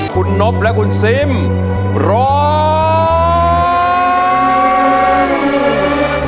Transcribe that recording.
คุณนบและคุณซิมร้อง